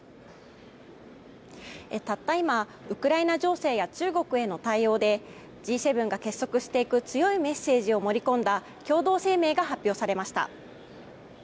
たった今ウクライナ情勢や中国への対応でＧ７が結束していく強いメッセージを盛り込んだ共同声明が発表されました。